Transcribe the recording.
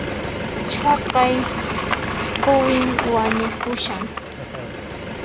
Chaqay quwin wañupushan